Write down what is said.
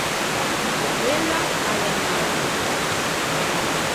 Quella a l’é unn’atra cösa.